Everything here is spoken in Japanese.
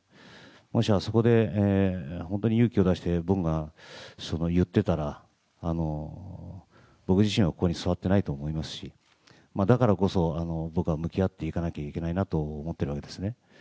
もしあそこで本当に勇気を出して僕が言っていたら、僕自身はここに座っていないと思いますし、だからこそ、僕は向き合っていかなければいけないなと思ってるわけですね。